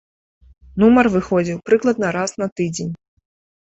Нумар выходзіў прыкладна раз на тыдзень.